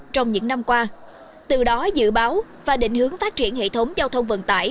trong những năm qua từ đó dự báo và định hướng phát triển hệ thống giao thông vận tải